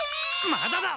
まだだ！